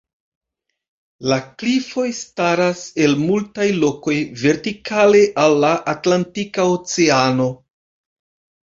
La klifoj staras el multaj lokoj vertikale al la Atlantika oceano.